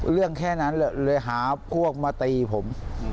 เรื่องแค่นั้นเลยหาพวกมาตีผม